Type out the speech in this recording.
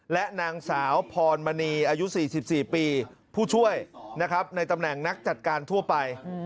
และนางสาวพรมณีอายุ๔๔ปีผู้ช่วยนะครับในตำแหน่งนักจัดการทั่วไป